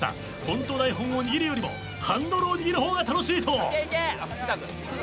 コント台本を握るよりもハンドルを握る方が楽しいと。